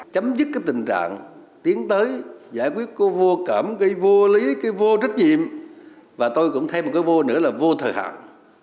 chấm dứt cái tình trạng tiến tới giải quyết cô vô cảm cái vô lý cái vô trách nhiệm và tôi cũng thêm một cái vô nữa là vô thời hạn